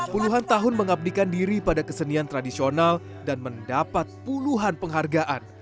puluhan tahun mengabdikan diri pada kesenian tradisional dan mendapat puluhan penghargaan